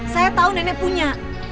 saya tau nenek punya